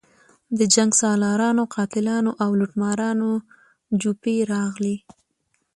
د جنګسالارانو، قاتلانو او لوټمارانو جوپې راغلي.